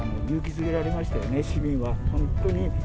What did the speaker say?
勇気づけられましたよね、市民は、本当に。